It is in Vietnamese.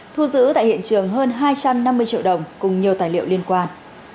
thu giữ tại hiện trường hơn hai trăm năm mươi triệu đồng cùng nhiều tài liệu liên quan